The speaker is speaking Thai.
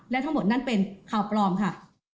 และทั้งหมดนั้นเป็นข่าวปลอมค่ะ